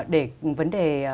để vấn đề